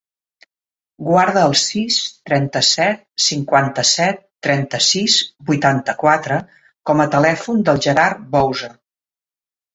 Guarda el sis, trenta-set, cinquanta-set, trenta-sis, vuitanta-quatre com a telèfon del Gerard Bouza.